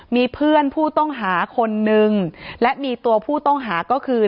มีเพื่อนผู้ต้องหาคนนึงและมีตัวผู้ต้องหาก็คือ